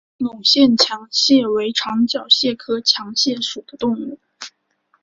隆线强蟹为长脚蟹科强蟹属的动物。